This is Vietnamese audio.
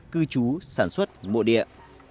cư trú sản xuất mộ địa